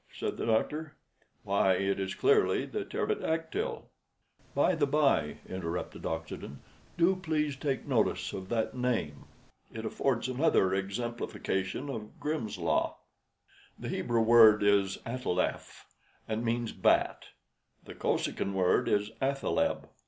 said the doctor. "Why, it is clearly the pterodactyl." "By the bye," interrupted Oxenden, "do please take notice of that name. It affords another exemplification of 'Grimm's Law.' The Hebrew word is 'ataleph,' and means bat. The Kosekin word is 'athaleb.'